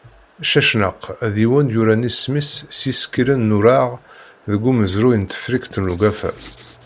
Cacnaq, d yiwen yuran isem-is s yisekkilen n ureɣ deg umezruy n Tefriqt n Ugafa.